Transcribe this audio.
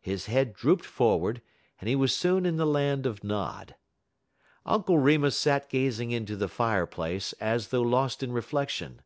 His head drooped forward, and he was soon in the land of Nod. Uncle Remus sat gazing into the fireplace, as though lost in reflection.